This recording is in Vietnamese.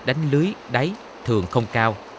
đánh lưới đáy thường không cao